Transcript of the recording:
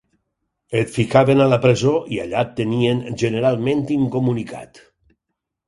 Et ficaven a la presó i allà et tenien, generalment incomunicat